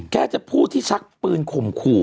แค่จะพูดที่ชักปืนข่มขู่